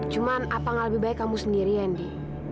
cuman apa gak lebih baik kamu sendirian di